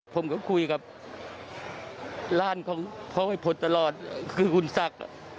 ผมก็คุยกับร้านของพ่อไอ้พลตลอดคือคุณศักดิ์